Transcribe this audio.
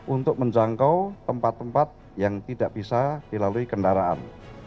untuk menjangkau tempat tempat yang tidak bisa dilalui kendaraan